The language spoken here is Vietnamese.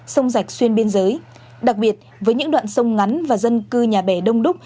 sông rạch xuyên biên giới đặc biệt với những đoạn sông ngắn và dân cư nhà bè đông đúc